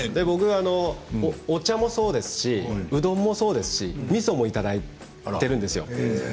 僕は、お茶もそうですしうどんもそうですしみそもいただいているんですよ。